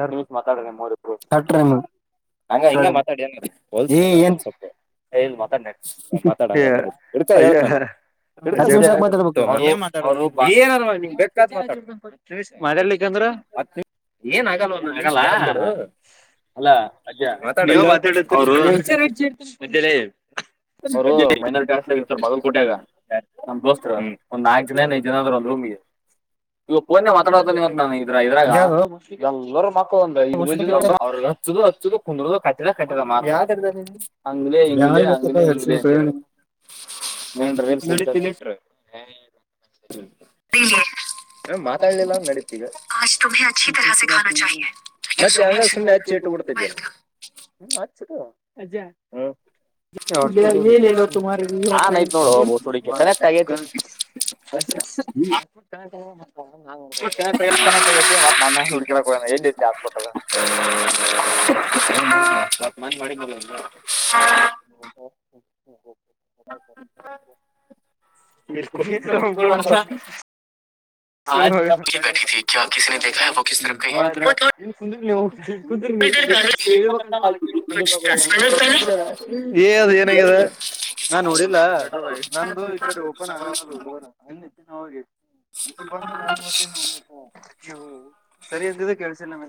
R ನಿಮಿಷ್ ಮಾತಾಡ್ ನಿಮ್ಮೊರು ಕಟ್ರನ್ ಹಂಗ ಹ ಮಾತಾಡಿ ಏನ್ ಸಪ್ಪೆ ನ್ ಮಾತಾ ಮಾತಾಡ ಇಡ್ತ ಹತನಲ್ಲ ಇಡ್ಕೊ ಹೇಳತ್ತೀನಿ ಏನಾದ್ರೂ ಆಗ್ಲಿ ನೀನ್ ಬೇಕತ್ ಮಾತಾಡ್ ಮ ಏನ್ ಆಗಲ್ಲ ಮಾತಾಡು ಅವರು ಏತೆಲೆ [unintelligible] ಒಂದ್ ನಾಕ ಜನ ಐದು ಜನ ಆದ್ರರು ಒಂದು ರೂಮ್ಗೆ [inaudible] ಇವ ಫೋನ್ ನೆ ಮಾತಾಡೋತಾನ ಇವತ್ ನಾ ಇದ್ರ ಇದ್ರಾಗ ಹ ಅ್ರ ಇದು ಅವ್ರರು ಹಚ್ಚದು ಹಚ್ಚದು ಕುಂದುದು ಕಟ್ಟಲ ಕಟ್ಟ [unintelligible] [unintelligible] ಹಂಗ್ಲೆ ಹಿಂಗ್ಲೆಗ ಹಂಗ್ಲೆ ಹಿಂಗ್ಲೆ ಅಂತ ಹೇಳು ಏ [inaudible] [unintelligible] ಹ [unintelligible] ಆಜ ತುಮೆ ಅಿ ತರಹಖಾನಾ ಚಾೆ [unintelligible] ಚ್ಚ ಇಟ್ಟು ಬಿಡ್ತಿದವಲ್ಲ ಅಜ್ಜ [unintelligible] ನಾಯ್ತ್ ನೋಡ ಹೋಗಬ ಕನೆಕ್ಟ್ ಆಗ [unintelligible] [inaudible] [unintelligible] ನ ಕನೆಕ್ಟ್ ಆಗೈತಿ ಮತ್ ನನ್ನ ಹುಡ್ಕಿ ಎಲ್ಲಿಐತಿಾಸ್ಪಿಟಲ್ ಅ [unintelligible] ಮವಾಡಿ ಮ [unintelligible] ಹ ಹ [unintelligible] ಬಕುಲ್ ನ [unintelligible] ್ರ [unintelligible] ತಾನ [unintelligible] ಹ [unintelligible] ನಾನ್ ನೋಡಿಲ್ಲ ಅಡ್ರ ನಂದು ಈ ಕಡೆ ಓಪನ್ ಆಗಲ್ಲದುರ ನಿ ಹೋಗಿ ಈ ಬಂದು ನಾನ ಮತ್ತೆ ನೋಡ ನೀವು ಸರಿಯ ಕೆಳ್ಸಿಲ್ಲ ಮಾೆ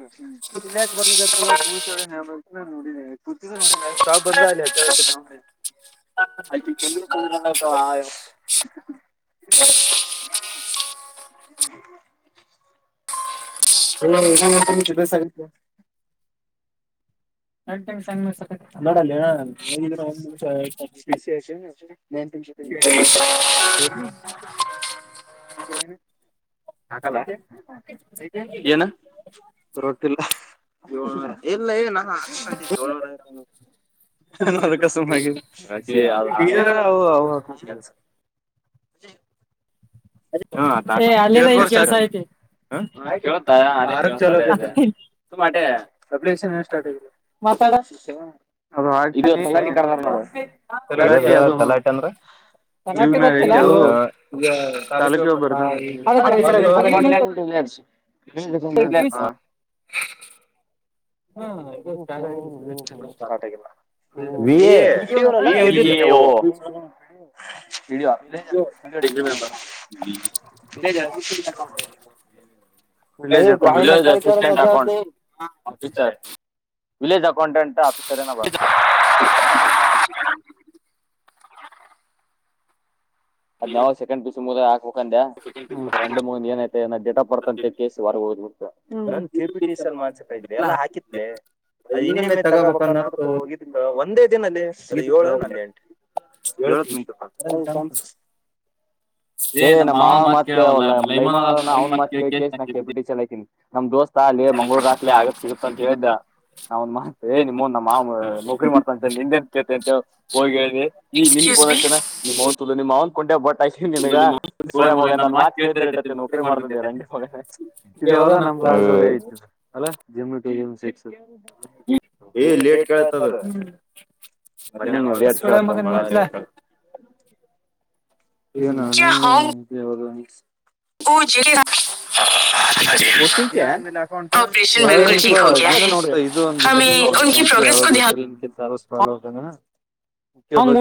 ಬರ್ [inaudible] ಕತ ನೋಡಿನನೆ ಕೂತ ನೋಡಿನ ಸಾ ಬಂದ ಅಲ್ಲಿ ಹತ್ತ ಹತ್ತ ನ [unintelligible] ಆಯಕಿ ಕುಂದರು ಕುಂದರ ಆಯ [unintelligible] [unintelligible] ಹ್ಮ್ ನ ಸಷ ಬ ಸಗಿತ [unintelligible] [unintelligible] [unintelligible] [inaudible] ಅತ್ತೆ ಏನು [unintelligible] ಹಾಕಲ್ಲ ಏನ ಪರತಿಲ್ಲ [unintelligible] ಇಲ್ಲ ಏನು [inaudible] ಂತ ದೇವಳ ರತ [unintelligible] ಕಸಮ ಆ ಯಾರ [unintelligible] ವರ್ಷ [unintelligible] ್ಟ [unintelligible] ಮಾತಾಡು ಅ ತಲಾಟಿ ಅದು ಹ್ಮ [unintelligible] ಕಿವ ಮ್ಯಾಗ ಐತಿ ಅದು ತಾಲೂಕಿ ಒಬ್ಬರದ [unintelligible] ಹೇಳ ಹಾ [unintelligible] ಹ್ಮ್ಮ ಹ ಹ್ಮಲ್ಲ [unintelligible] ಹ್ಮ [unintelligible] ಇಡ [unintelligible] ವಿಲೇಜ್ ಅಕೌಂಜ assistant account ಆಫೀ [unintelligible] village accountant officer ಏನ ಬರ್ತ್ [inaudible] ಅದ್ಾವ [unintelligible] ಸಕಂಡ್ಿಸಸ [unintelligible] ಮುದ [unintelligible] ಹಾಬೇಕು ೆ ಮೂ ಏನಐ ಡೇಟ್ ಆಫ್ ಬರ್ತ್ ಅಂತ ಕಗ ಹ್ ಕೆಿಟ [unintelligible] ಮಾಂಸ ಎಲ್ಲ ಹಾಕಿದತ್್ಲೆ ಅದು ಇನ್ನಮ್ಮೆ ತಗೋಬಬೇಕ ಅನ್ನ ಒಂದೇ [unintelligible] ಅದ ಏಳು ನ ಎಂಟ ಂ [unintelligible] ಹೇ್ ನಮ್ಮ್ ಮಾವನ ಮಾತ್ ಕೇಳವಲ್ಲ ಲೈಮನ್ ಅವ್ನ್ ಮಾತ್ ಕೇಳ್ ಕೇಶ ನ ಕೆಪಿಟರ್ [unintelligible] ನಮ್ ದೋಸ್ತ ಅಲ್ಲಿ ಮಂಗಳೂರ್ ಹಾಕ್ಲಿ ಆಗತ್ ಸಿಗುತ್ತ ಅಂತ ಹೇಳ್ದ ನಾವ ಒಂದ ಮಾತ್ ನಿಮಮ್ಮೊಂದ ನಮ್ಮ ಮಾ ನೌಕರಿ ಮಾಡ್ತ ಅಂತ ನಿಂದೆನ್ ಕೇತೆ ಅಂತ ಹೋಗಿ ಹೇಳಿ ಈ ೋ ಚೆ ನಿಮ್ಮ್ಂತು ನಿಮ್ಮ್ಂತ [unintelligible] ಿನಗ ಸೋಳೆ ಮಗ ನಾನನ್ ಮಾತ್ ಕೇಳ್ದ ಇಟ್ಟತ್ತ ನಕ್ರರಿ ಮಾಡ್ತ ರಂಡಿ ಮಗನ ಇ ಯ ನ [unintelligible] ಕ್ಲಾಸ್ ಅವರೆೇ ಐತ ಅಲ್ಲ ಜಿಮ್ ಟು ಜಮ್ ಸಿಕ್ಸ್ ಏ ಟ್ ಕೇಳ ತ ಳ ಮತ್ತ ನೋಡ ಏನು ನನ್ ಏನು ಪೂಜ್ಯ ಇ ಒಂದು ಸ್ಲೋಗಾ ಹಂಗ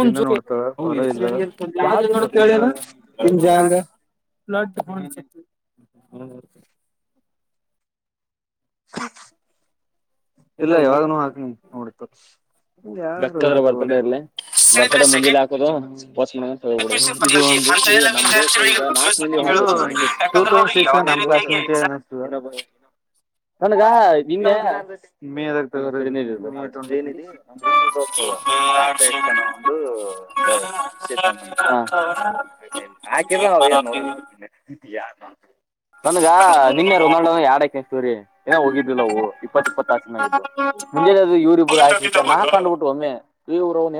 ನಿಮ ಜಂಗ [unintelligible] ಇಲ್ಲ ಯಾವಾಗೂ ಹಾಕ್ನಿ ನೋಡಿತ್ತು ದ್ರ ಬರ್ತಡೆ ಇರ್ಲಿ ಬರ್ತಡೆ ಮುಂಜಲಿೆ ಹಾಕದು ಬ ಇದು ಒಂದು ಏ ನಮ್ ದೋಸ್ ಈಗ ನಾ್ ಸಿ ಕಸ್ ನಸ್ತ [inaudible] ನನಗ ನಿನ್ನೆ ಮ ಏನ ನ್ರು ತೋಸ್ತದ ಆತತನ ಒಂದು ನಿಶಿತ್ ಅಂತ ಹ ಹಾಕಿದ್ರ ಅವೇನ್ ನೋಡಲ್ಲ ನನ್ಗ ನಿನ್ಯಾರ ಒಂದಳ ಎರಡ ಎತವ್ರರಿ ಏನೋ ಹೋಗಿದ್ದಿಲ್ಲವು ಇಪ್ಪತ್ತತ್ ಇಪ್ಪತ್ತ ಆಾಸಿನಾಗಿದ್ದು ಮುಂಜೆಾದ್ರ ಇವರಿಬ್ರು ಹಾಕಕ್ಬ ಬಿಟ್ಟೆ ನಾ ಕಂಡ್ಬಿಟ್ಟು ಒಮ್ಮೆ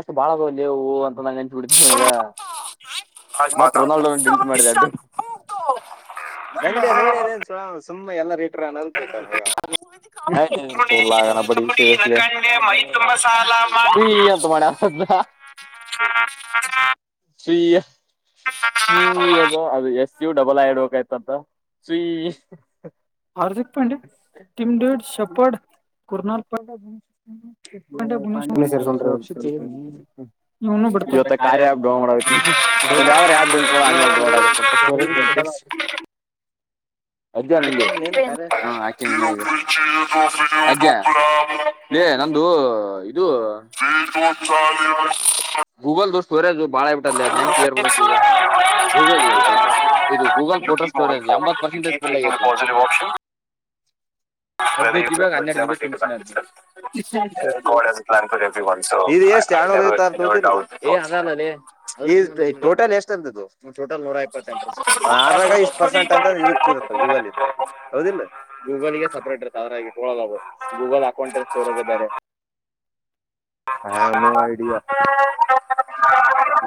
ಎಷ್ಟು ಬಾಳ ಅಲ್ಲಿೇವುವು ಅಂತ ನಾ ನನ್ ಬಿಿಡ್ದ ಅವ ಈಗ ಮತ್ ರೊನಾಲ್ಡೋನ ಡಿಲ್ ಮಾಡಿದೆ ಅಡು ನಂದೇ ನೋಡನ್ ಸು ಎ ರೀಟರ್ ಬ ಸರಿ ಎಂತ ಮಾಡೆ ಆಸದ [unintelligible] ಚೂ ಅದು ಅದು ಎಸ್ ಯೂ ಡಬಲ್ ಆ ಇಡ್ಬೇಕಯ್ತಂತ ಸು ಹದು ಶಬ ಪರ್ಣ ದ ಪವ ಮು ಇವ ಕಾರ್ಯ ಡೋಡ ಮ ಯ್ರೆ ಯ ಹ ಮಧ್ಯಾಹ್ನಾರೆ ಈ ಉಬರಿಚ ತೊ ಒಂದುಪರ [unintelligible] ಬಾಳ ಬಿಟ್ಟ ಅ ನಂ ಕ್ಲಿಯರ್ಡಸ್ ಈಗ ಗೂಲ್ ಇದು ಗೂಗಲ್ ಫೋಟೋ ಸ್ಟೋರೇಜ್ ಎಂಬತ್ ಪರ್ಸೆಂಟೇಜ್ ಫುಲ್ ಆಗತ್ತು ಹಾ ದಟ್ಟ ಕೋಳ ಪ್ಲಾನ್ ಕೊಡಿಯ ಒಂದುಸು [unintelligible] ಈ ಟೋಟಲ್ ಎಷ್ಟ ಅಂತ್ದು ಟೋಟಲ್ ನೂರ ಇಪ್ಪೆಂಟ್ ಆದಾಗ ಇಷ್ಟು ಪರ್ಸೆಂಟ್ ಅಂತ ಇದಕ್ ಇತ್ತೆ ಗೂಗಲ್ ಇರ್ತ ಹೌದಿಲ್ಲ ಗೂಗಲ್ ಗೆ ಸಪ್ರೇಟ್ ಇರುತ್ತ ಅದ್ರಾಗಿೊಳ್ಳಲ್ಲ ಗೂಗಲ್ ಅಕೌಂಟ್ಲ್ಲಿ ಸೋರ್ ಅದ ಬೇರೆ ಹ್ಮ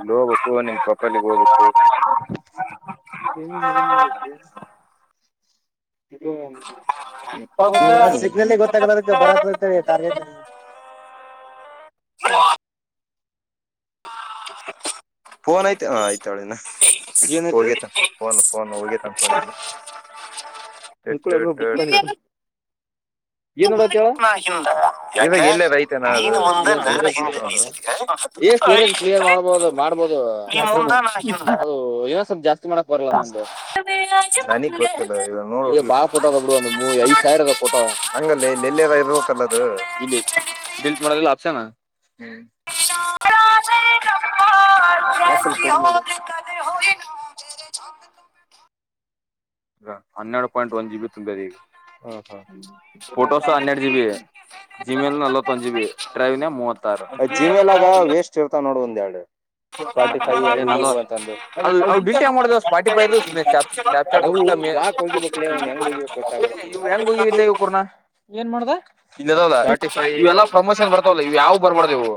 ಗೋ ಬಟ್ಟು ಸೊಪರ್ಲಿ ಗೋ ಬಟ್ಟು ನಿ ನೀ ಹ್ಮ್ ಸಿಗ್ನಲ್ಲಿ ಗೊತ್ತಾಗಲದಕ್ಕೆ ಬರ ಟಾರ್ಗೆಟ್ ಹ ಫೋನ್ ಆಯ್ತ ಹ ಆಯ್ತಾಳೋ ಫೋನ್ ಹೋಗೇತ ಅಕ [unintelligible] ಹ [inaudible] ಯಾಕ ನೀನು ಮುಂದ ನಾನ ಹಿಂದ ಇಸತಿ ಹ ಹೈ ಹೈ.. ಮಾಡಬೋದು.... ಅದು ಏನಸಪ್ಪ್ ಜಾಸ್ತಿ ಸ್ತಿ ಮಾಡಕ್ ಬರಲ್ಲನ ಅದ ನನಗ್ ಗೊತ್ತಿದ ಈವಾಗ್ ನೋಡ ಬಾಳ ಪೋಟೋ ಅದವ್ವ ಬಿಡ್ ನಿಮ್ಮವ್ವಒ ಐ್ ಸಾವಿರ ಪೋಟೋ ಹಂಗಲ್ಲೆ ಇಲ್ಲಿಯಲ್ಲರ್ ಈರಬೇಕ ಅಲ್ಲದನೆಲ್ಲದ ಇರ್ಬೇಕಲ್ಲದ ಇ ಡಿಲಿಟ್ ಮಾಡದಿಲ್ಲ ಆಪ್ಷನ್.. ಹಾ.... ಕ ಹ [unintelligible] ಈಗ ಹನ್ಯಾಯಡ್ ಪಾಯಿಂಟ್ ಒಂದ ಜಿ ಬಿ ಈಗ ದಿ ಪೋಟೋಸ್ ಹನ್ನೆರಡು ಜಿ ಬಿ ಜಿಮೆಲ್ ನಲ್ವತ್ ಒಂದ ಜಿ ಬಿ ಡ್ರೈವ್ ನ ಮೂವತ್ತಾರು ಜಿಮೆಲ್ ಆಗ ವೇಸ್ಟ್ ಇರ್ತಾವ ನೋಡ..... [inaudible] ಡಿಿ [unintelligible] ಬ್ಲಾಕ್ ಹೋಗಿಬೇಕ್ಲೇ ಅವ್ನ್ ಹೆಂಗ ಹೋಗಿಬೇಕ ಗೊತ್ತಅಗ್ವಲದ ಮಾನ್ಯ ಇವ ಹೋಗಿದಲೆ ಇವಕುರ್ನ ಏನ್ಮಾಡಿದ ಮಾಡ್ದ ಇಲ್ಯದವಲ್ಲ ಪೋಟಿಪೈವ ಇವೆಲ್ಲಾ ಪ್ರಮೋಷನ್ ಬರ್ತಾವಲ್ಲ ಇವು ಯಾವವು ಬರ್ಬಾರ್ದ ಇವು...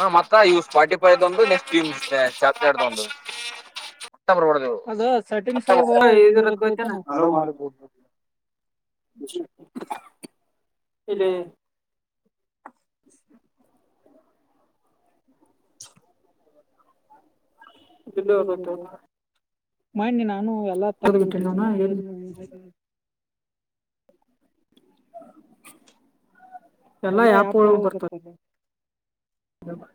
ಹ ಮತ್ತ ಇ ಸ್ಫಾರಟಿಫೈದ ಒಂದು ನೆಕ್ಸ್ಟ್ ಟೀಮ್ಸ್ ಚಾಪರ್ ಒಂದು ಒಟ್ಟ ಬರ್ಬಾರ್ದ ಇವು.. [unintelligible] ದು ಹಲ ಇದ......... [unintelligible] ಇಲ್ಲಟ [inaudible] ಮಣ್ಣ್ಯ ನಾನು ಎಲ್ಲಾ ತಗದಬಿಟ್ಟೇನ ಅವನ್ನ್ ಎಲ್ಲ ಯಾಪ್ ಒಳಗ ಬರ್ತವ ಮ [inaudible]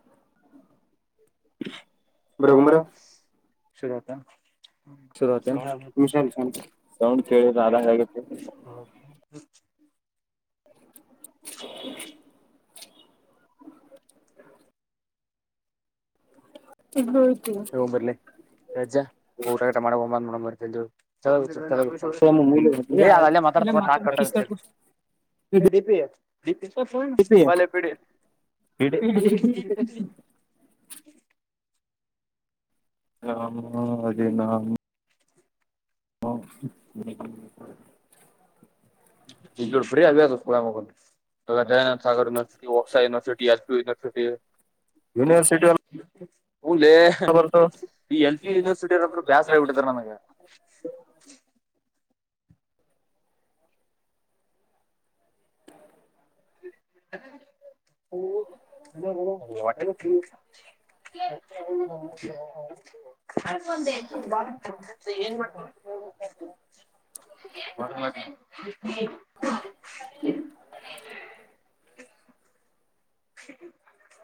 ಬರ ಹೋಗನ್ ಬರ ಸರಿಯಾತ್ ಶುರುತಷ [inaudible] ಸೌಂಡ್ ಕೇಳಿದ ಆದಂಗ ಆರಾಮ ಆಗೆತ್ತಿ [inaudible] [inaudible] ಇಗ.. ಲೆ ಹೋಗೋನಹ್ ಬರ್ಲಿ ಲ್ಲೆ ಅಜ್ಜ್ಯ ಊಟ ಗಿಟಾ ಮಾಡ ಹೋಗೋಣ ಬಾ ನೋಡನ ಬರೀ ಕೆಲ್ಗ್ ಕ್ಲೆಗ್ ಹೋಗೆತಿ ಏ ಅದ ಅಲ್ಲೇ ಮಾತಢತ್ತ ಬರೀ ನಾಳೆ ಕಟ್ ಆಗುತ್ತ್ ಎ ಡಿಪಿ ಇಪತ ಮೂರ್ ಎನ್ ಬಾ ಲ್ಲೆ ಪೀಡೀ..... ಪೀಡಿ.. ಹ ಅದೇ ನ [inaudible] ಹ್ಮ ಇೋ [unintelligible] ್ರ ಆ ತ ಸ್ಕುಳ ಮಗ ಹ ಜಯಾನಥ ಸಾಗರ ಯುನರ್ಸಟಿಕ್ಕ್ಷಸ ಯುನಿವರ್ಸಿಟ ಎಸ್ಪು ಯುನಿವರ್ಸಿ [inaudible] ಯುನಿವರ್ಸಿಟಿ ಉನ್ಲೆ ಹ ಈ ಎಲ್ ಪಿ ಯೂನಿವರ್ಸಿಟಿಯರಂತ್ರು ಬೇಸರ್ಯಗ್ಬಿಟ್ಟರ್ ನನಗೆ [inaudible] ೆ [inaudible] ಹೌೌ [inaudible] [inaudible] ಬ [unintelligible] [inaudible] ಹ್ಮ [inaudible]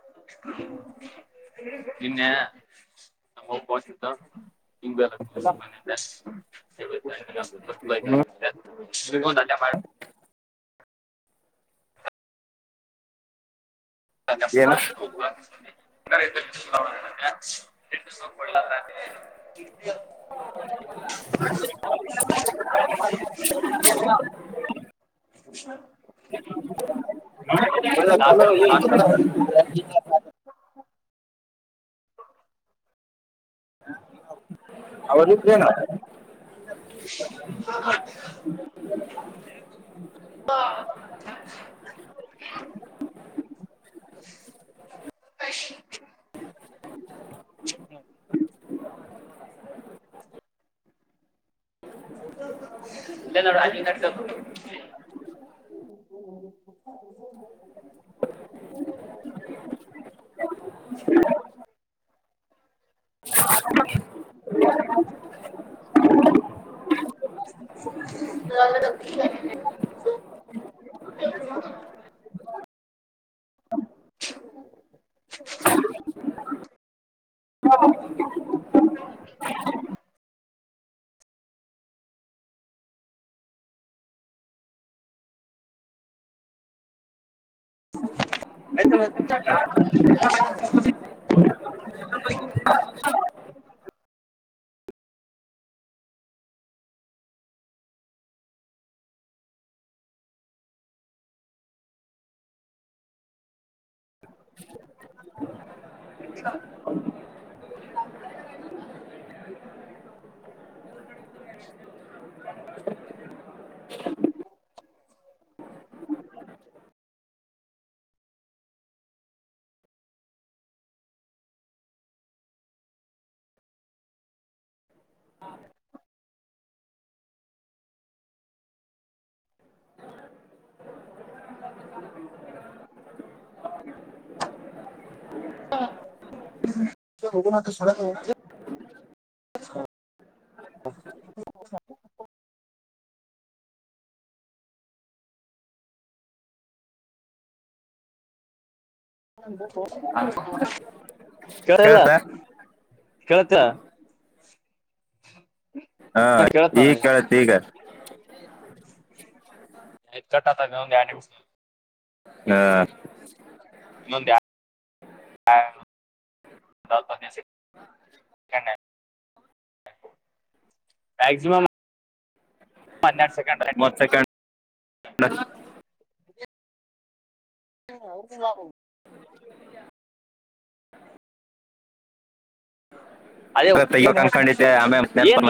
ನಿನ್ನೆ...... ನಮ್ ಅವ್ವ [unintelligible] ನಬತ್ತು [unintelligible] ಈ ಬ ತ [inaudible] [unintelligible] ಕನ್ ಅಮ [unintelligible] ಅ ಉಷ್ಣ ಆವದುನ ಹ್ಮ ಇಲ್ಲ ನೋ ನಸ [unintelligible] ಹ ಆಸ ಹ ಹಾ ರೋಗುನಾಥ ಸಡ ಹ ಕಲ್ಲ ಕೇಳತ್ತ ಹಾ ಈ ಕೇಳತ್ ಈಗ ಕಟತ ನ ಹಾ ಇ ಬ ಬ ಮಕ್ಸಿಮಮ ಮನ್ನಡ್ಸ ಕಂಡ ಹಲ್ಲ ಅದೇ ಏನ್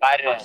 ಕಾರ